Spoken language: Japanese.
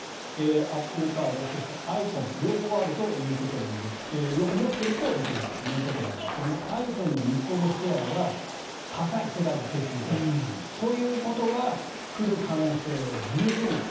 アップルカードそしてｉＰｈｏｎｅ両方持ってると行けるということですがｉＰｈｏｎｅの日本のシェアは世界に比べて高い。ということは、来る可能性は十分ある。